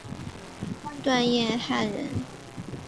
段业汉人。